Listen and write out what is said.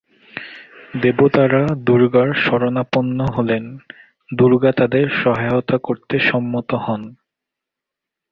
দেবতারা দুর্গার শরণাপন্ন হলেন দুর্গা তাদের সহায়তা করতে সম্মত হন।